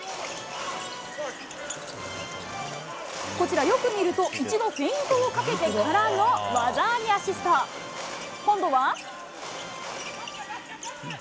こちら、よく見ると、一度フェイントをかけてからの、技ありアシスト。今度は。